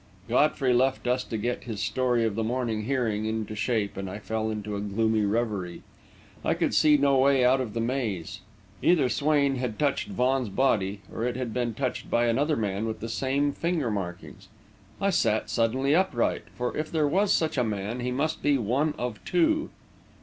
Godfrey left us to get his story of the morning hearing into shape, and I fell into a gloomy revery. I could see no way out of the maze; either Swain had touched Vaughan's body, or it had been touched by another man with the same finger markings. I sat suddenly upright, for if there was such a man, he must be one of two....